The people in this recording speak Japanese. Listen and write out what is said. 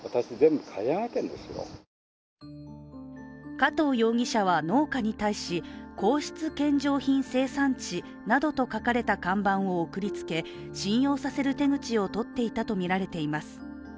加藤容疑者は農家に対し、「皇室献上品生産地」などと書かれた看板を送りつけ、信用させる手口をとっていたとみられています。